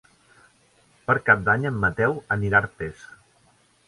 Per Cap d'Any en Mateu anirà a Artés.